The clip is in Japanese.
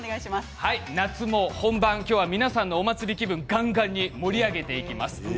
夏も本番皆さんのお祭り気分をがんがんに盛り上げていきます。